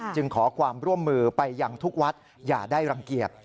จึงขอความร่วมมือไปยังทุกวัดอย่าได้รังเกียจ